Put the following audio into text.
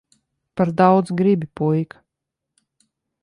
Par daudz gribi, puika.